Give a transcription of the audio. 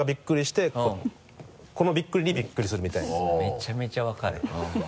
めちゃめちゃ分かる。